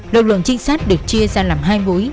lực lượng trinh sát được chia ra làm hai mối